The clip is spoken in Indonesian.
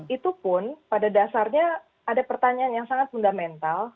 itu pun pada dasarnya ada pertanyaan yang sangat fundamental